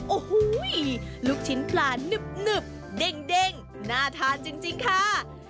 โอ้โหลูกชิ้นปลาหนึบเด้งน่าทานจริงค่ะ